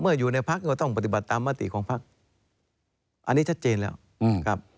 อยู่ในพักก็ต้องปฏิบัติตามมติของพักอันนี้ชัดเจนแล้วครับ